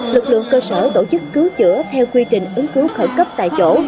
lực lượng cơ sở tổ chức cứu chữa theo quy trình ứng cứu khẩn cấp tại chỗ